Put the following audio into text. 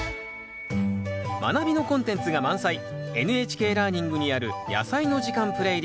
「まなび」のコンテンツが満載「ＮＨＫラーニング」にある「やさいの時間」プレイリスト。